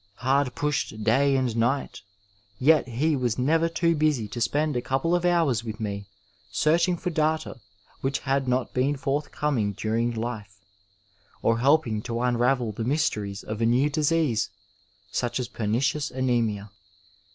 Hard pushed day and night, yet he was never too busy to spend a couple of hours with me searching for data which had not been forthcoming during life, or helping to unravel the mysteries of a new disease, such as pernicious anaemia.